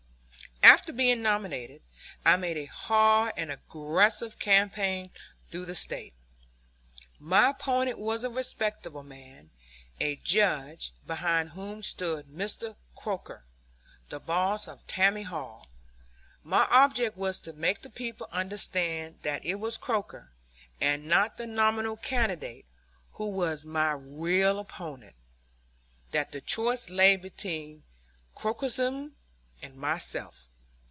After being nominated, I made a hard and aggressive campaign through the State. My opponent was a respectable man, a judge, behind whom stood Mr. Croker, the boss of Tammany Hall. My object was to make the people understand that it was Croker, and not the nominal candidate, who was my real opponent; that the choice lay between Crokerism and myself.